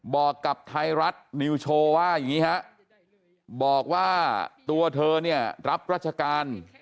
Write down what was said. บอกกับไทยรัฐนิวโชว์ว่าอย่างนี้ฮะบอกว่าตัวเธอเนี่ยรับราชการ